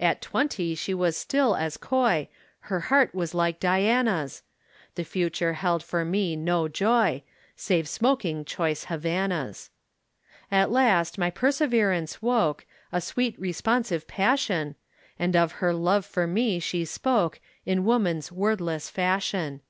At twenty she was still as coy, Her heart was like Diana's. The future held for me no joy, Save smoking choice Havanas. At last my perseverance woke A sweet responsive passion, And of her love for me she spoke In woman's wordless fashion.